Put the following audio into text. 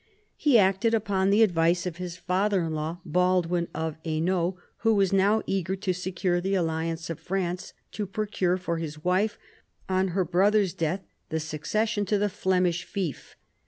He acted upon the advice of his father in law, Baldwin of Hainault, who was now eager to secure the alliance of France, to procure for his wife, on her brother's death, the succession to the Flemish fief.